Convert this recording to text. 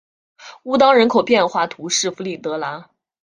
乌当人口变化图示弗里德兰